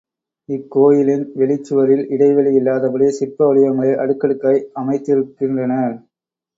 இக்கோயிலின் வெளிச் சுவரில் இடைவெளி இல்லாதபடி சிற்ப வடிவங்களை அடுக்கடுக்காய் அமைத்தி ருக்கின்றனர்.